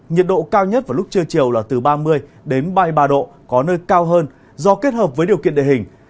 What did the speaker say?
nhiệt độ cao nhất vào lúc trưa chiều là từ ba mươi đến ba mươi ba độ có nơi cao hơn do kết hợp với điều kiện địa hình